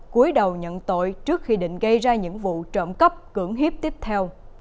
cuối đầu nhận tội trước khi định gây ra những vụ trộm cắp cưỡng hiếp tiếp theo